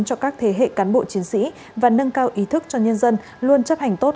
cho các thế hệ cán bộ chiến sĩ và nâng cao ý thức cho nhân dân luôn chấp hành tốt